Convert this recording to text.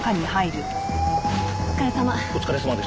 お疲れさま。